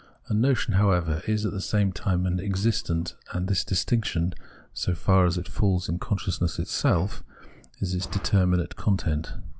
A notion, however, is at the same time an existent, and this distinction, so far as it falls in consciousness itself, is its determinate content.